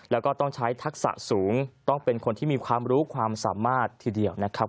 แล้วก็ต้องใช้ทักษะสูงต้องเป็นคนที่มีความรู้ความสามารถทีเดียวนะครับ